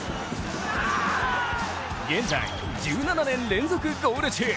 現在、１７年連続ゴール中。